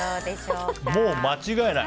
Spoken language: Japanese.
もう間違いない！